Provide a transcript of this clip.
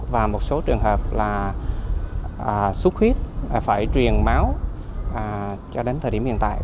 và một số trường hợp là sốt huyết phải truyền máu cho đến thời điểm hiện tại